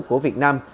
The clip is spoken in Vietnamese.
của việt nam